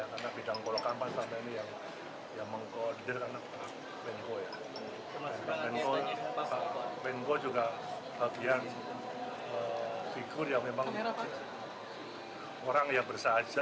menko juga bagian figur yang memang orang yang bersajat tidak mau dikawal tidak mau diketat pengawalannya